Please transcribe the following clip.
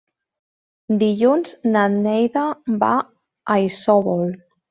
Dilluns na Neida va a Isòvol.